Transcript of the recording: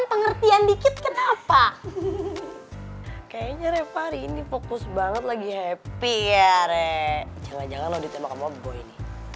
enggak lah ini mungkin